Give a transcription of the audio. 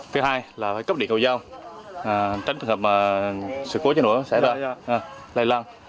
thứ hai là phải cấp điện cầu giao tránh trường hợp sự cố chế nổ xảy ra lây lăng